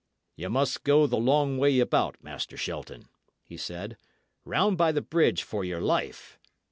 "Ye must go the long way about, Master Shelton," he said; "round by the bridge, for your life!